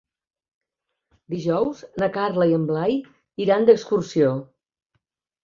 Dijous na Carla i en Blai iran d'excursió.